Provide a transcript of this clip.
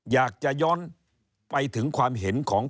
อยากจะย้อนไปถึงความเห็นของ